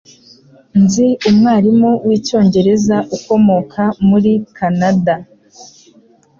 Nzi umwarimu wicyongereza ukomoka muri Kanada.